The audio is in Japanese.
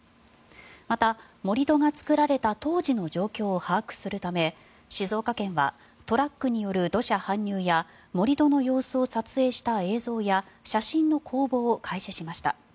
また、盛り土が作られた当時の状況を把握するため静岡県はトラックによる土砂搬入や盛り土の様子を撮影した映像や写真の公募を開始しました。